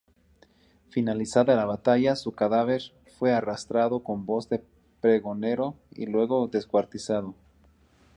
Finalizada la batalla, su cadáver fue arrastrado con voz de pregonero y luego descuartizado.